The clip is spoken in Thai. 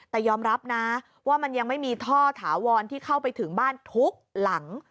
แต่ยอมรับนะว่ามันยังไม่มีท่อถาวรที่เข้าไปถึงบ้านทุกหลัง